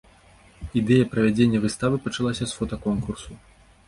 Ідэя правядзення выставы пачалася з фотаконкурсу.